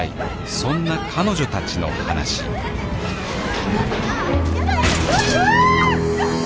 そんな彼女たちの話うわあ！